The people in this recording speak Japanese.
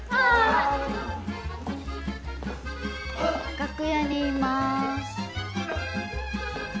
楽屋にいます。